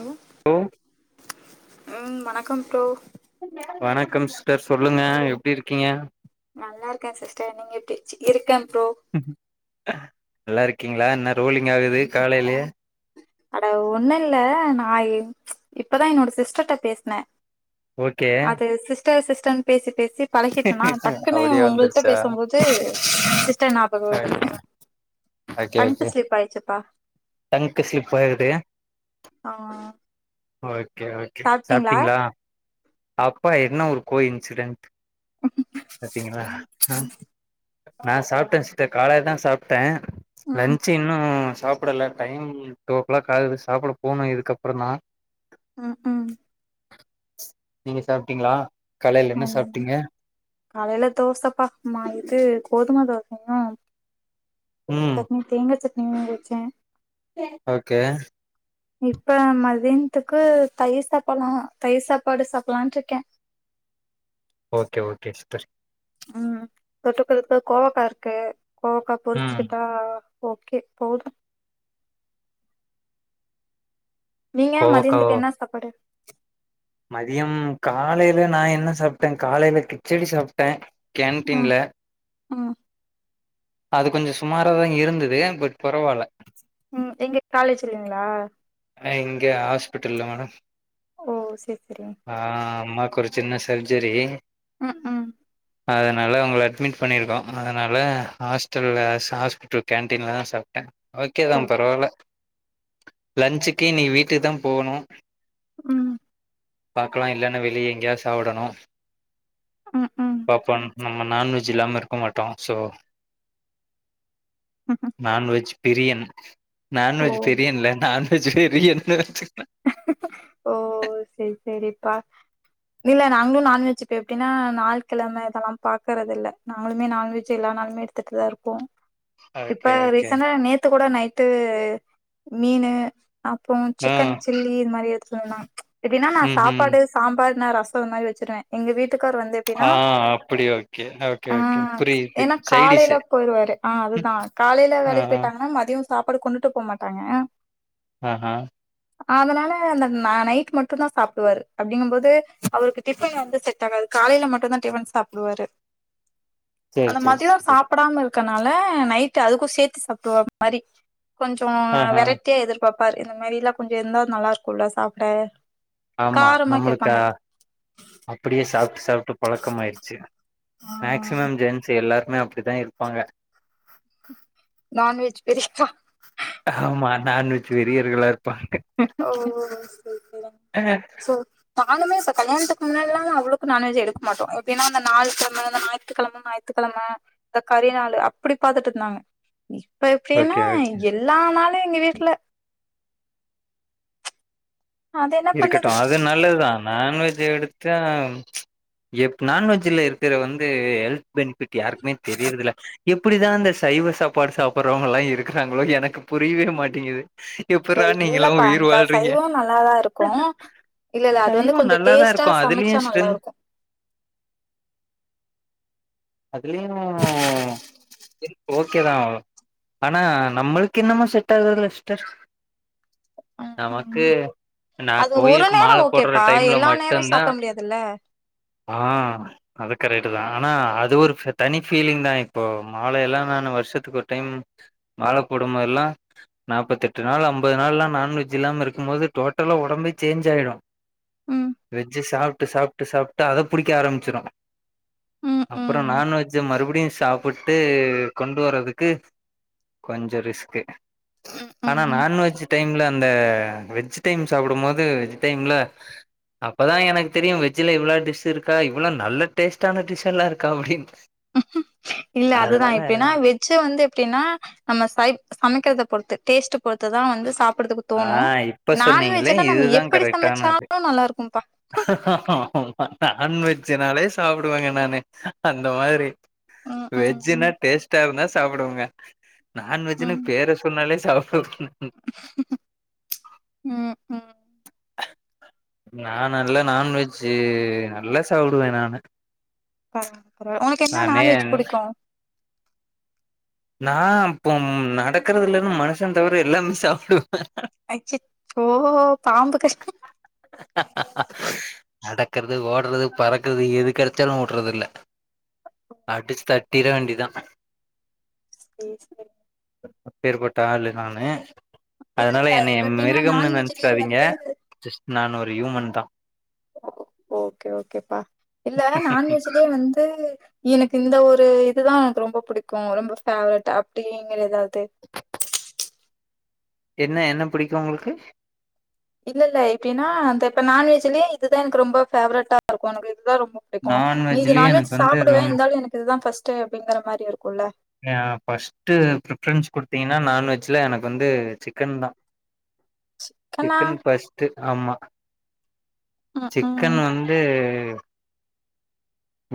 Allow ம் ம் வணக்கம் ப்ரோ வணக்கம் சிஸ்டர் சொல்லுங்க எப்டி இருக்கீங்க நல்லா இருக்க சிஸ்டர் நீங்க எப்டி இருக்கே ப்ரோ நல்லா இருக்கீங்களா என்ன ரோலிங் ஆகுது காலையிலயே அட ஒண்ணு இல்ல நா இப்பதா என்னோட சிஸ்டர்ட்ட பேசன ஓகே அது சிஸ்டர் சிஸ்டர் பேசி பேசி பழகிட்டனா டக்குன்னு அப்டியே உங்கள்ட்ட வந்துருச்சா பேசும்போது சிஸ்டர் ஞாபகோ வருது ஒக்கே ஒக்கே டங்க் ஸ்லிப் ஆயிடுச்சுப்பா டங்க்கு ஸ்லிப்பாகுது ஆ ஓகே ஓகே சாப்பிட்டீங்களா சாப்டீங்ளா அப்பா என்ன ஒரு கோ இன்சிடென்ட் பாத்தீங்களா நா சாப்பிட்டே சிஸ்டர் காலைலதா சாப்ட்டே ம் லஞ்ச் இன்னு சாப்புடல டைம் டூ ஓ கிளாக் ஆகுது சாப்புட போணு இதுக்கப்பரந்தா ம் ம் நீங்க சாப்டீங்ளா காலைல என்ன ம். சாப்டீங்க காலையில தோசப்பா இது கோதும தோசயு ம் சட்னி தேங்க சட்னி அரச்சே ஓகே இப்ப மதியானத்துக்கு தயிர் சாப்பலா தயிர் சாப்பாடு சாப்பலான்ட்ருக்கெ ஓகே ஓகே ஸ்டர் ம் தொட்டுக்கறக்கு கோவக்கா இருக்கு கோவக்கா ம் பொரிச்சுக்கிட்டா ஓகே போது நீங்க கோவக்காவா மதியானத்துக்கு என்ன சாப்பாடு மதியம் காலையில நா என்ன சாப்ட காலையில கிச்சடி சாப்ட்ட கேன்டீன்ல ஓ அது கொஞ்ச சுமாராதா இருந்தது பட் பரவால்ல ம் எங்க காலேஜ் லெங்ளா அ இங்க ஹஸ்பிட்டல மேடம் ஓ சேர் செரிங் ஆ அம்மாக்கு ஒரு சின்ன சர்ஜரி ம் ம் அதனால அவங்கள அட்மிட் பண்ணியிருக்கோ அதனால ஹாஸ்டல்ல ஹாஸ்பிட்டல் கேன்டீன்ல தா சாப் ஓகே தா பரவால்ல லஜ்ஜுக்கு இனி வீட்டுக்கு தா போவ்ணு ம் பாக்கலா இல்லேன்னா வெளியே எங்கேயாவது சாப்புடணு ம் ம் பாப்போ நம்ம நான்வெஜ் இல்லாம இருக்க மாட்டோ சோ நான்வெஜ் பிரியன் ஓ நான்வெஜ் பிரியன்ல நான்வெஜ் வெரியன் ஓ சேரி சேரிப்பா இல்ல நாங்களு நான்வெஜ் போய் எப்டின்னா நாள் கெழம இதெல்லா பாக்குறதில்ல நாங்களுமே நாண்வெஜ் எல்லா நாலுமே எடுத்துட்டுதா ருப்போ இப்ப ஓகே ஓகே ரீசென்டா நேத்து கூட நைட்டு மீனு அப்போ ஆ சிக்கன் சில்லி இது மாரி எடுத்துட்டு வந்தாங்க எப்டின்னா நா ம்ஹ்ம் சாப்பாடு சாம்பார்ன ரசம் இது மாரி வச்சுருவே எங்க வீட்டுக்கார் வந்து எப்டினா ஆ அப்படி ஓகே ஓகே அ ஓகே புரியுது ஏன்னா காலைல சைடிஷு போய்ருவாரு ஆ அதுதா காலையில ஆ வேலக்கி ஆ போயிட்டாங்கன்னா மதியொ சாப்பாடு கொண்டுட்டு போமாட்டாங்க அ அ அதனால அந்த ந நைட் மட்டுந்தா சாப்டுவாரு அப்படிங்கும் போது அவருக்கு டிஃபன் வந்து செ ட்டாகாது காலையில மட்டுந்தா டிஃபன் சாப்டுவாரு சேரி அந்த சேரி மத்யொ சேரி சாப்டாம இருக்கனால நைட்டு் அதுக்கு சேத்து சாப்டுவா மாரி கொஞ்ச ஆஹா வெரைட்டியா எதிர்பாப்பார் இந்த மாரி எல்லா கொஞ்சர்ந்தா நல்லா இருக்குல்ல சாப்ட காரமா கேப்பாங்க அப்டியே சாப்ட்டு சாப்ட்டு பழக்கமாய்ற்ச்சு மேக்சிமம் ஜென்ஸ் செ எல்லாருமே அப்டிதா இருப்பாங்க நான்வெஜ் பெரியக்கா ஆமா நான்வெஜ் வெறியர்களா இருப்பாங்க ஓ [inaudible] நானுமே இப்ப கல்யாணத்துக்கு முன்னால்லா அவ்ளோக்கு நான்வெஜ் எடுக்க மாட்டோ எப்பின்னா அந்த ஞாயித்துக்கெழம ஞாயித்துக் கெழம ஞாயித் த்துக்கெழம இந்த கரி நாளு அப்டி பாத்துட்டு இருந்தாங்க இப்ப எப்டின்னா ஓகே எல்லா நாளு எங்க வீட்ல அது என்ன இருக்கட்டு பண்ணுது அது நல்லது தா நான்வெஜ் வெஜ் எடுத்தா எப் நான்வெஜ் ல இருக்குற வந்து ஹெல் பெனிஃபிட் யாருக்குமே தெரியுரதுல எப்டிதா அந்த சைவ சாப்பாடு சாப்புடடுறவங்கல்லா இருக்குறாங்களோ எனக்கு புரியவே மாட்டேங்குது எப்புட்ரா நீங்க எல்லா இல்லப்பா உயிர் எனக்கு வாழ்றீங்க சைவோ நல்லாதா இருக்கு இல்ல இல்ல அது வந்து சைவோ கொஞ்சோ நல்லாதா டேஸ்ட்டா இருக்கு அதுலயு சமச்சா நல்லா ஸ்ட்ரென்த் இருக்கு அதுலயு [inaudible] ஓகேதா ஆனா நம்மளுக்கு என்னமோ செட் ஆகாதுங்க சிஷ்டர் ம் ம் நமக்கு நா அது ஒரு கோயிலுக்கு நேரோ மால போடுற ஓகேப்பா டைம்ல எல்லா நேரோ மட்டுந்தா சாப்ட முடியாதுல்ல ஆ அது கரேட்டு தா ஆனா அது ஒரு தனி பீலிங் தா இப்போ மாலேல்லா நா வருஷத்துக்கு ஒரு டைம் மால போடுமோ எல்லா நாப்பத்தெட்டு நாள் அம்பது நாள் ல்லா நாான்வெஜ் இல்லாம இருக்கும் போது டோட்டலா ஒடம்பே சேஞ்ச் ஆயிடு ம் வெஜ்ஜ சாப்ட்டு சாப்ட்டு சாப்ட்டு அத புடிக்க ஆரம்பிச்சுரு ம் ம் அப்புரோ ம் நான்வெஜ்ஜ மறுபடியு சாப்புட்டு கொண்டு வர்றதுக்கு கொஞ்ச ரிஸ்க்கு ஆனா ம் ம் நான்வெஜ்ஜு டைம்ல இந்த வெஜ் டைம் சாப்புடும் போது வெஜ் டைம்ல அப்பதா எனக்கு தெரியு வெஜ்ல இவ்ள டிஷ் இருக்கா இவ்ள நல்ல டேஸ்டான டிஷ்ஷல்லா இருக் கவ்டின் இல்ல அதுதா எப்டின்னா வெஜ் வெஜ் வந்து எப்டின்னா நம்ம சைப் சமைக்கிறத பொறுத்து டேஸ்ட் பொறுத்துதா வந்து சாப்டுதுக்கு ஆ தோணு இப்ப சொன்னீங்களே நான்வெஜ்ல்ல நம்ம இதுதா எப்படி கரெக்டானது சமைச்சாலு நல்லா இருக்கும்ப்பா ஆமா நான்வெஜ்ஜுனாலே சாப்புடுவேங்க நானு அந்த மாரி ம் ம் வெஜ்ஜூனா டேஸ்டா இருந்தா சாப்டுவெங்க ம் நான்வெஜ்ன்னு ம் பேர சொன்னாலே சாப்புடு [unintelligible] ம் ம் நான் நல்ல நான்வெஜ்ஜூ நல்லா சாப்புடுவே நானு பரவால பரவால ஒனக்கு என்ன நானே நான்வெஜ் புடிக்கு நா இப்போ நடக்கறது இலன்னு மனுஷன் தவர எல்லாமே சாப்பிடுவே அச்சச்சோ பாம்பு கடி நடக்கறது ஓட்றது பறக்கறது எது கெடச்சாலு உட்றதுல்ல அடிச்சு தட்டிட வேண்டியதா [inaudible] எப்பேர் பட்ட ஆளு நானு இல்ல அதனால இல்ல என்னைய எப்டின்னா மிருகம்னு நான்வெஜ்லயே நெனைச்சிடாதீங்க வந்து ஜஸ்ட் நான் ஒரு ஹியூமன் தா ஓகே ஓகேப்பா இல்ல நான்வெஜ்லேயே வந்து எனக்கு இந்த ஒரு இதுதா எனக்கு ரொம்ப புடிக்கு ரொம்ப ஃபேவரட் அப்டிங்கிற ஏதாது என்ன என்ன புடிக்கு உங்குளுக்கு இல்ல இல்ல எப்டின்னா அந்த இப்ப நான்வெஜ்லயே இதுதா எனக்கு ரொம்ப ஃபேவரட்டா இருக்கு எனக்கு இதுதா ரொம்ப புடிக்கு மீதி நான்வெஜ்லயே நான்வெஜ் எனக்கு வந்து சாப்டுவே ரொம் இருந்தாலு எனக்கு இதுதா ஃபர்ஸ்ட்டு அப்டிங்கற மாரி இருக்குல்ல நா ஃபர்ஸ்ட்டு ப்ரீபரன்ஸ் குடுத்தீங்கன்னா நான்வெஜ்ல எனக்கு வந்து சிக்கன் தா கண்ணா சிக்கன் ஃபஸ்ட்டு ஆமா ம் ம் சிக்கன் வந்து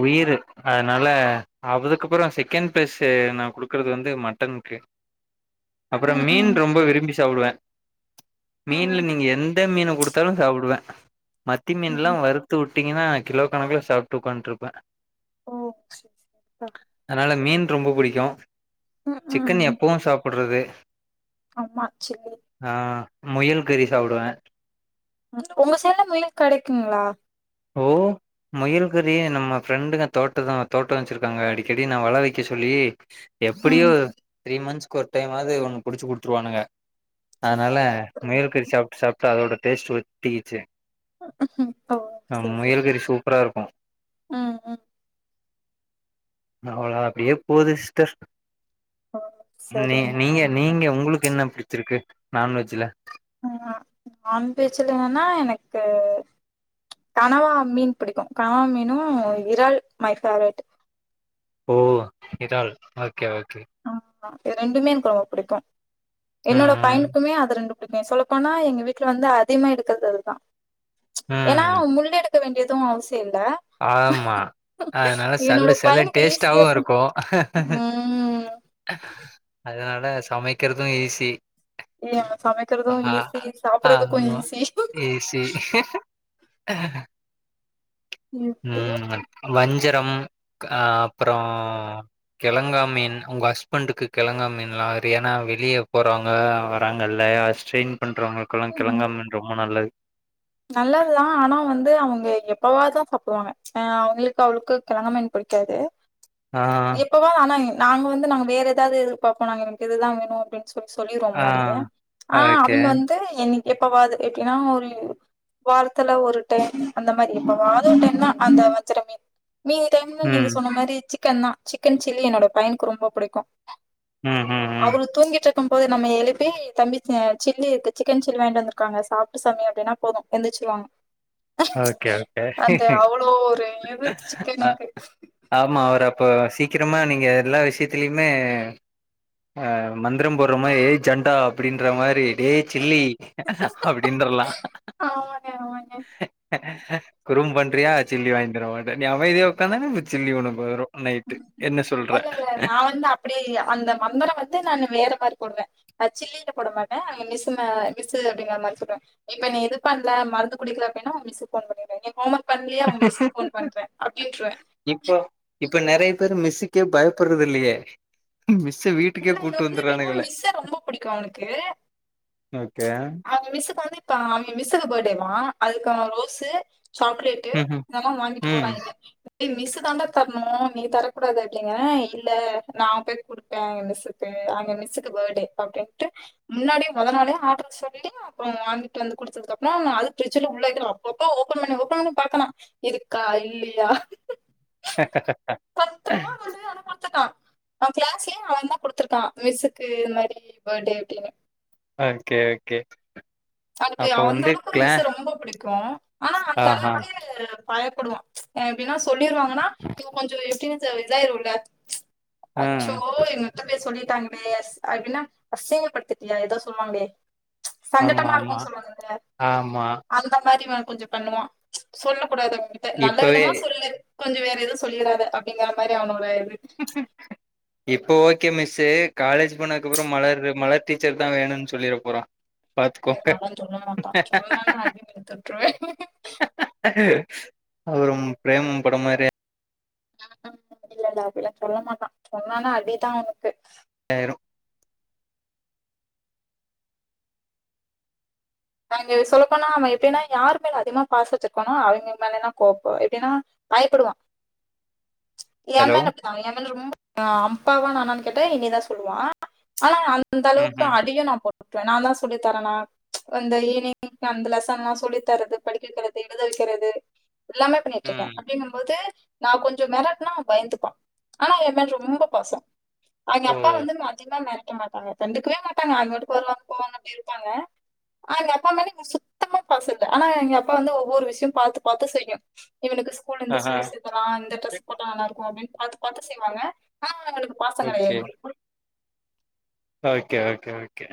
உயிரு அதனால அதுக்கப்பறோ சிக்கன் பேஸ் நா குடுக்குறது வந்து மட்டனுக்கு அப்பறோ ம் மீன் ம் ரொம்ப விரும்பி சாப்டுவே ம் மீன்ல நீங்க எந் த மீன குடுத்தாலு சாப்டுவே மத்தி மீன் எல்லா ம் வறுத் குட்த்து வுட்டீங்னா கிலோ கணக்குல சாப்டு உக்கான்ட்ருப்பாரு ஓ ஓ, சரி சரிப்பா அதனால மீன் ரொம்போ புடிக்கோ ம் ம் சிக்கன் ம். எப்பவு சாப்புடுறது ஆமா சில்லி ஆ முயல் கறி சாப்டுவே உங்க சைட்ல முயல் கிடைக்குங்களா ஓ முயல்கறியே நம்ம ஃப்ரெண்டுங்க தோட்டந்தா தோட்டோ வெச்சிருக்காங்க அடிக்கடி நா வள வெக்க சொல்லி எப்புடியோ ம் த்ரீ மந்த்ஸ்க்கோ ஒரு டைமாவது ஒண்ணு புடிச்சு குடுத்துருவானுங்க ஓ அதனால அப்படியா? முயல்கறி சாப்ட்டு சாப்ட்டு அதோட டேஸ்ட்டு ஒட்டிக்கிச்சு ஹம் ஆ முயல்கறி சூப்பரா இருக்கு ம் ம் அவளா அப்டியே போது சிஸ்டர் ஓ நீ சரிங்க நீங்க சரிங்க நீங்க உங்களுக்கு என்ன புடிச்சிருக்கு நான்வெஜ்ஜில நான் வெஜ்ல வேன்னா எனக்கு கனவா மீன் பிடிக்கோ கனவா மீனு இறால் மை ஃபேவரேட் ஓ இதாள் ஓகே ஓகே ஆ இது ரெண்டுமே எனக்கு ரொம்ப பிடிக்கு என்னோட ம் பையனுக்குமே அது ரெண்டு டுக சொல்ல போனா எங்க வீட்ல வந்து அதிக்மா எடுக்கிறது அதுதா ம் ஏன்னா ம். முள் எடுக்க வேண்டியதோ அவசியோ இல்ல ஆமா அதனால என்னோட சல்லு சல்லுனு பையனுக்கு டேஸ்டாவு ஈஸியா ச இருக்கு ம் அதனால சமைக்கிறது ஈஸி ஏ சமைக்கிறது ஆஹ் ஈஸி சாப்பறதுக்கு ஆஹ் ஈஸி ஏசி இப்டியே உம் வஞ்சரம் ஹ அப்புறோ கிழங்கா மீன் உங்க ஹஸ்பண்டுக்கு கிழங்கா மீன்லா அவுரு ஏனா வெளியே போறாங்க வராங்கல்லயா செயின் பண்றவுங்களுக்குல்லா கிழங்காமன் ரொம்ப நல்லது நல்லதுதா ஆனா வந்து அவுங்க எப்பவாதா சாப்புடுவாங்க ஆ அவுங்குளுக்கு அவளுக்கு கிழங்காமீன் புடிக்காது ஆ இப்பவு ஆனா நாங்க வந்து நாங்க வேற எதாது எதிர் பாப்போ நாங்க எனக்கு இதுதா வேணு அப்டின் சொ சொல்லிருவோ ஆ. முன்னாடியே ஆ ஓகே. அவிங்க வந்து என் எப்பவாது எப்டின்னா ஒரு வாரத்துல ஒரு டைம் அந்த மாரி எப்பவாது ஒரு டைம் தா அந்த வஞ்ற மீன் மீதி டைம்ல நீங்க ம். சொன்ன மாரி சிக்கன்தா சிக்கன் சில்லி என்னோட பையனுக்கு ரொம்ப பிடிக்கு ம், ம், ம். அவரு தூங்கிட்டு இருக்கும் போது நம்ம எழுப்பி தம்பி சில்லி இருக்கு சிக்கன் சில்லி வாங்கிட்டு வந்துருக்காங்க சாப்டு சாமி அப்டின்னா போது எந்திச்சிருவாங்க ஓகே, ஓகே. அந்த அவ்ளோ ஒரு இது அ சிக்கனுக்கு ஆமா அவர அப்போ சீக்கிரமா நீங்க எல்லா விஷயத்திலயுமே ஆ மந்தரம் போட்ற மாரி் ஏ ஜண்டா அப்டின்ற மாரி டேய் சில்லி அப்டின்றலா ஆமாங்க ஆமாங்க குறும்பு பண்றயா சில்லி வாங்கி தர மாட்டேன் நீ அமைதியா ஒக்காந்தன்னா இப்ப சில்லி ஒனக்கு வரு நைட்டு என்ன சொல்ற இல்ல இல்ல நான் வந்து அப்டி இல்ல அந்த மந்தரோ வந்து நானு வேற மாரி போடுவே அது சில்லின்னு போட மாட்டே அவங்க மிஸ்சு மா மிஸ்சு அப்டிங்கிற மாரி சொல்லுவே இப்ப நீ இது பண்ணல மருந்து குடிக்கல அப்டின்னா ஒங்க மிஸ்க்கு ஃபோன் பண்ணிருவே நீ ஹோம் ஒர்க் பண்ணலயா ஒங்க மிஸ்க்கு ஃபோன் பண்றே அப்டின்ருவே இப்ப இப்ப நெறைய பேரு மிஸ்ஸுக்கே பயப்படுறது இல்லையே மிஸ்சு வீட் இல்ல இவே வந்து எப்டின்னா மிஸ்ச ரொம்ப பிடிக்கு அவனுக்கு ஓகே அவங்க மிஸ்ஸுக்கு வந்து இப்ப அவிங்க மிஸ்ஸுக்கு பர்த்டேவா அதுக்கு அவே ரோஸு சாக்லே ட்டு ம் இதல்லா வாங்கிட்டு போறா ம் இவே டேய் மிஸ்ஸு தாண்டா தரணு நீ தரக்கூடாது அப்டிங்கிறே இல்ல நா போய் குடுப் பே ஏ மிஸ்ஸுக்கு அங்க மிஸ்ஸுக்கு பர்த்டே அப்டின்ட்டு முன்னாடியே மொத நாளே ஆர்டர் சொல் லி அப்பறோ வாங்கிட்டு வந்து குடுத்ததுக்கு அப்பறோ அது ஃப்ரிட்ஜ்ல உள்ள வக்கிறோ அப்பப்ப அவே ஓப்பன் பண்ணி ஓப்பன் பண்ணி பாக்குறா இருக்கா இல்லியா அத குடுத்துட்டா அவே கிளாஸ்லயே அவந்தா குடுத்துருக்கா மிஸ்சுக்கு இந்த மாரி பர்த்டே அப்டின்னு ஓகே ஓகே அதுக்கு அப்ப அந்த வந்து அளவுக்கு ஒரு கிளா மிஸ்ஸ ரொம்ப பிடிக்கு ஆனா அந்த ஆஹா அளவுக்கு பயப்படுவா அவே எப்டின்னா சொல்லிருவாங்கன்னா இவே கொஞ்சோ எப்டின்னு சொல் இதாயிருல ஆ சோ இங்க மத்த பேர் சொல்லிட்டாங்களே அது எப்டின்னா அசிங்கப்படுத்திட்டியா ஏதோ சொல்லுவாங்களே ஆமா சங்கட்டமா ஆமா இருக்குன்னு சொல்லுவாங்கல்ல ஆமா அந்த மாரி இவே கொஞ்சோ பண்ணுவா சொல்ல கூடாது அவங்கிட்ட நல்ல இப்பவே விதமா சொல்லு கொஞ்ச வேற எது சொல்லிராத அப்டிங்கிற மாரி அவனோட இது இப்போ ஓகே மிஸ்சு காலேஜ் போனதுக்கப்புற மலர் மலர் டீச்சர்தா வேணுன்னு சொல்லிற போறா பாத்துக்கோங்க அவ சொல்ல மாட்டா சொன்னானா அடி வெளுத்துட்ருவே அப்பறம் பிரேமம் படம் மாரி ம் இல்லல்ல அப்டில்லா சொல்ல மாட்டா சொன்னானா அடிதா அவுனுக்கு ஆயிடு நாங்க சொல்லப்போனா அவ எப்டின்னா யாரு மேல அதிகமா பாச வெச்சிருக்கானோ அவங்க மேலலா கோப்போ எப்டின்னா பயப்படுவா ஹலோ எம்மேல அவ எம் மேல ரொம்ப அப்பாவா நானான்னு கேட்டா என்னயதா சொல்லுவா ஆனா ம் அந்தளவுக்கு அடியு நா போட்டுட்ருவே நாந்தா சொல்லி தரண்ணா அந்த ஈவினிங் அந்த லெசன்லா சொல்லி தர்றது படிக்க வெக்கிறது எழுத வெக்கிறது எல்லாமே பண்ணிட்ருக்கே ம் அப்டிங்கம்போது நா கொஞ்ச மெரட்னா அவ பயந்துப்பா ஆனா எம் மேல ரொம்ப பாச அவிங்க ஓ அப்பா வந்து அதிகமா மெரட்ட மாட்டாங்க கண்டுக்கவே மாட்டாங்க அவிங்க பாட்டுக் வருவாங்க போவாங்க அப்டி இருப்பாங்க ஆனா அவங்க அப்பா மேல சுத்தமா பாச இல்ல ஆனா அவங்க அப்பா வந்து ஒவ்வொரு விஷயம் பாத்து பாத்து செய்யு இவனுக்கு ஸ்கூல் இந்த ஆஹா ஸ்கூல் சேத்தலா அந்த டிரெஸ் போட்டா நல்லாருக்கு அப்டின்னு பாத்து பாத்து செய்வாங்க ஆனா அவனுக்கு பாசம் கிடையாது ஓகே ஓகே ஓகே ஓகே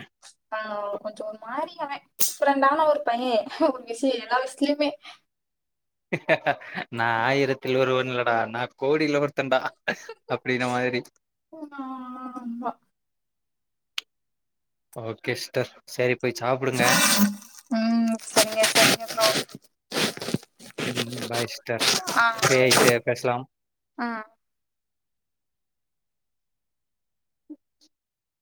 ஆ கொஞ்ச ஒரு மாரி அவே ஃப்ரெண்டானா ஒரு பைய ஒரு விஷய எல்லா வயசலெமே நா ஆயிரத்தில் ஒருவன் இல்லடா நா கோடியில ஒருத்தன்டா அப்படின்ன மாதிரி ஆமா ஓகே சிஸ்டர் செரி போய் சாப்பிடுங்க ம் சரிங்க சரிங்க ப்ரோ. ம் பாய் சிஸ்டர் ஆ. ஃப்ரீ ஆயிட்டு பேசலாம் ஆ.